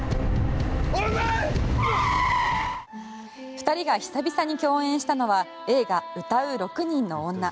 ２人が久々に共演したのは映画「唄う六人の女」。